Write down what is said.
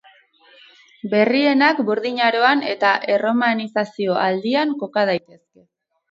Berrienak Burdin Aroan eta erromanizazio aldian koka daitezke.